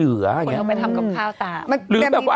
คืออะไรวะ